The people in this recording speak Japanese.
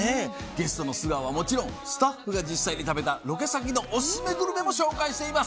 ゲストの素顔はもちろんスタッフが実際に食べたロケ先のオススメグルメも紹介しています。